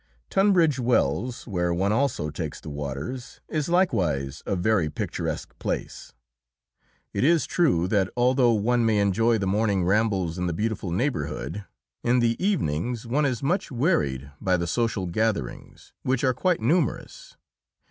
Tunbridge Wells, where one also takes the waters, is likewise a very picturesque place. It is true that although one may enjoy the morning rambles in the beautiful neighbourhood, in the evenings one is much wearied by the social gatherings, which are quite numerous.